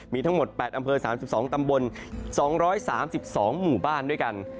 มีทั้งหมด๘อำเภอ๓๒ตำบล๒๓๒หมู่บ้านด้วยกัน